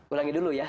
ulangi dulu ya